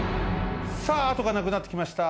さあ後がなくなってきました。